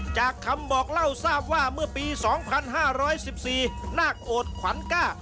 จากคำบอกเล่าทราบว่าเมื่อปี๒๕๑๔นาคโอดขวัญกล้า